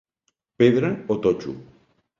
Pedra o totxo.